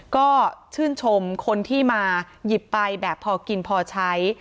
ก็ชื่นชมคนที่มาหยิบไปแบบพอกินพอใช้